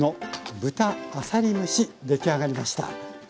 出来上がりました。